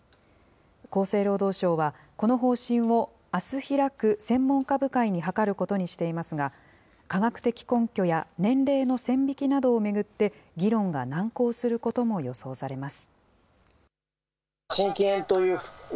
厚生労働省は、この方針をあす開く専門家部会に諮ることにしていますが、科学的根拠や年齢の線引きなどを巡って、議論が難航することも予想されます。